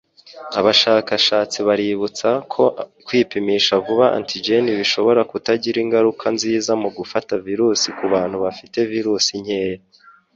Abashakashatsi baributsa ko kwipimisha vuba antigen bishobora kutagira ingaruka nziza mu gufata virusi ku bantu bafite virusi nkeya